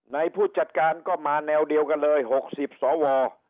ผู้จัดการก็มาแนวเดียวกันเลย๖๐สว